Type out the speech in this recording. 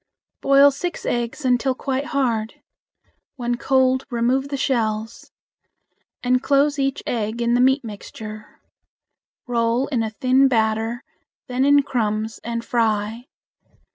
Boil six eggs until quite hard. When cold, remove the shells. Enclose each egg in the meat mixture. Roll in a thin batter, then in crumbs, and fry.